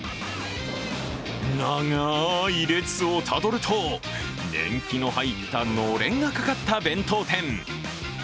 長い列をたどると年季の入ったのれんがかかった弁当店。